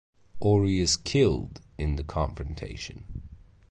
Ori is killed in the confrontation.